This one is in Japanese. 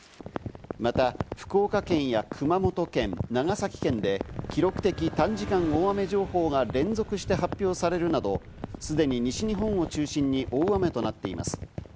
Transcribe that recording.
また福岡県や熊本県、長崎県で記録的短時間大雨情報が連続して発表されるなど、すでに西日本を中心に大雨となっています。